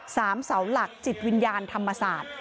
เสาหลักจิตวิญญาณธรรมศาสตร์